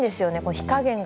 火加減が。